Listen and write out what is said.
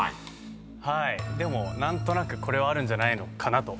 でも何となくこれはあるんじゃないのかなと。